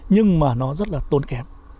nhưng mà nó rất là tốn kém